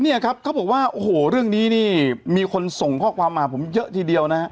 เนี่ยครับเขาบอกว่าโอ้โหเรื่องนี้นี่มีคนส่งข้อความมาผมเยอะทีเดียวนะฮะ